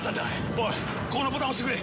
おいここのボタン押してくれ！